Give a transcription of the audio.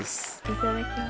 いただきます。